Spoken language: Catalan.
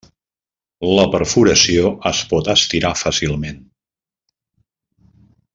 La perforació es pot estirar fàcilment.